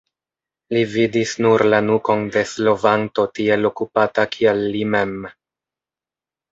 Li vidis nur la nukon de slovanto tiel okupata kiel li mem.